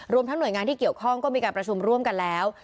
ทั้งหน่วยงานที่เกี่ยวข้องก็มีการประชุมร่วมกันแล้ว